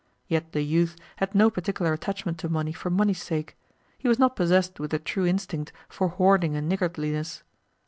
Yet the youth had no particular attachment to money for money's sake; he was not possessed with the true instinct for hoarding and niggardliness.